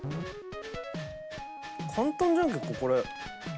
簡単じゃんこれ。